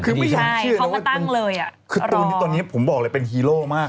คือไม่อยากเชื่อนะว่าตอนนี้ผมบอกเลยเป็นฮีโร่มาก